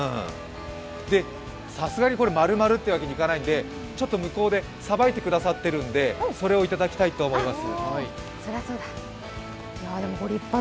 さすがにこれ、丸々というわけにいかないんで、向こうでさばいてくださっているんで、行きたいと思います。